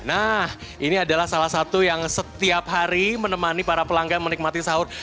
nah ini adalah salah satu yang setiap hari menemani para pelanggan menikmati sahur